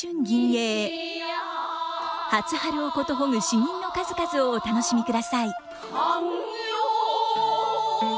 初春をことほぐ詩吟の数々をお楽しみください。